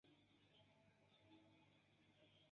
Ankaŭ la subaj partoj estas blankaj.